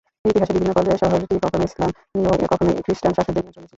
ইতিহাসের বিভিন্ন পর্যায়ে শহরটি কখনও ইসলামী ও কখনও খ্রিস্টান শাসকদের নিয়ন্ত্রণে ছিল।